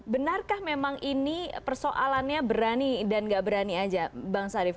benarkah memang ini persoalannya berani dan nggak berani aja bang sarif